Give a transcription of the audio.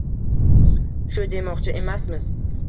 shu demoqchi emasmiz